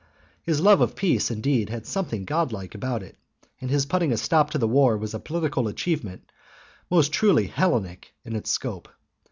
His love of peace, indeed, had something godlike about it, and his putting a stop to the war was a political achievement most truly Hellenic in its scope.